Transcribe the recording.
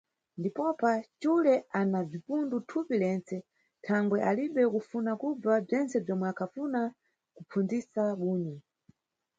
Ndipopa, xule ana bzipundu thupi lentse; thangwe alibe kufuna kubva bzentse bzomwe akhafuna kupfundzisa bunyu.